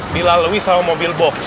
dilalui sama mobil box